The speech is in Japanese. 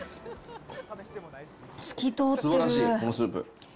すばらしい、このスープ。